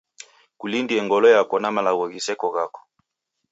Kulindie ngolo yako na malagho ghiseko ghako.